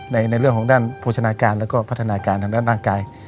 ทางด้านโภชนาการและก็พัฒนาการทางด้านร่างกาย